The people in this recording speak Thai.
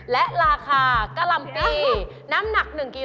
และราคากะลำปลีน้ำหนัก๑กกอยู่ที่